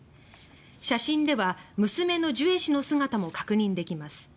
写真では娘のジュエ氏の姿も確認できます。